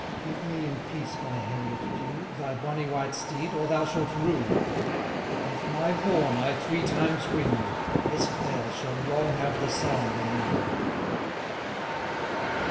Give me in peace my heriot due. Thy bonny white steed, or thou shalt rue. If my horn I three times wind, Eskdale shall long have the soimd in mind